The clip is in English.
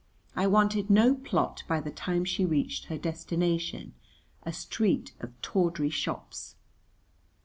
I wanted no plot by the time she reached her destination, a street of tawdry shops.